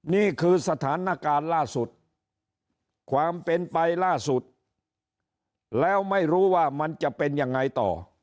นี่คือสถานการณ์ล่าสุดความเป็นไปล่าสุดแล้วไม่รู้ว่ามันจะเป็นยังไงต่อ